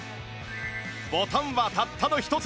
ボタンはたったの１つ